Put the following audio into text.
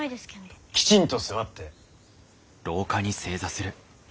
きちんと座って。